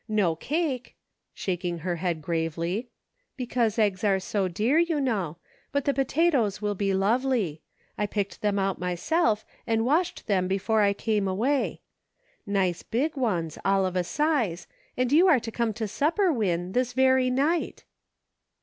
No cake," shaking her head gravely, " because eggs are so dear, you know, but the po tatoes will be lovely. I picked them out myself, and washed them before I came away ; nice big ones, all of a size, and you are to come to supper. Win, this very night."